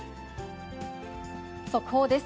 速報です。